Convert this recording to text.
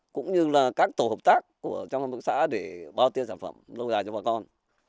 cũng như là các tổ hợp tác trong hợp tác xã để bao tiêu sản phẩm lâu dài cho bà con